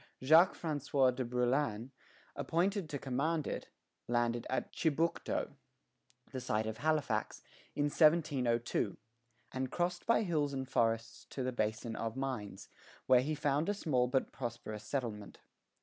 Jacques François de Brouillan, appointed to command it, landed at Chibucto, the site of Halifax, in 1702, and crossed by hills and forests to the Basin of Mines, where he found a small but prosperous settlement.